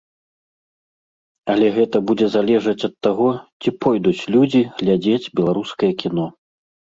Але гэта будзе залежаць ад таго, ці пойдуць людзі глядзець беларускае кіно.